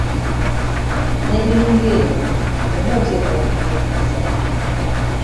N'ebiringa ebyo byonna oteekwa okubyebuuza.